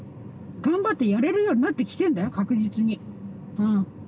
頑張ってやれるようになってきてんだよ確実にうん。